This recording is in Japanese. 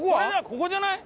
ここじゃない？